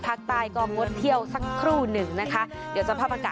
ภาคใต้ก็งดเที่ยวสักครู่นึงนะคะ